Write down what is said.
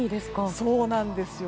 そうなんです。